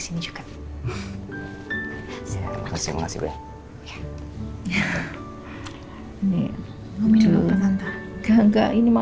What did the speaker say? satu dua tiga